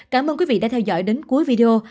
cảm ơn quý vị đã theo dõi đến cuối video